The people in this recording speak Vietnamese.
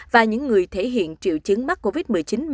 và những người thể hiện triệu chứng mắc covid một mươi chín